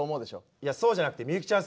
いやそうじゃなくてミユキちゃん